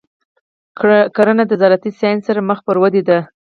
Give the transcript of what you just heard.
کرنه د زراعتي ساینس سره مخ پر ودې ده.